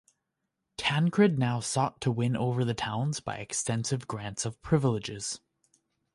Tancred now sought to win over the towns by extensive grants of privileges.